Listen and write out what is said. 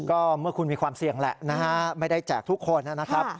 ก็เมื่อคุณมีความเสี่ยงแหละนะฮะไม่ได้แจกทุกคนนะครับ